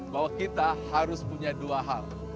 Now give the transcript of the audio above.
bahwa kita harus punya dua hal